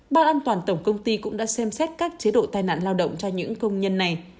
ban an toàn tổng công ty cũng đã xem xét các chế độ tai nạn lao động cho những công nhân này